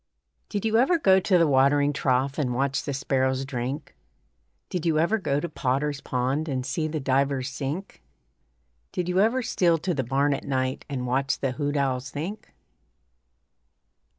Did you ever go to the watering trough And watch the sparrows drink? Did you ever go to Potter's pond And see the divers sink? Did you ever steal to the barn at night And watch the hoot owls think?